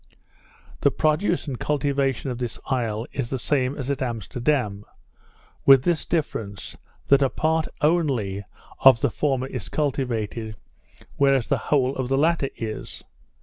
The produce and cultivation of this isle is the same as at Amsterdam; with this difference, that a part only of the former is cultivated, whereas the whole of the latter is.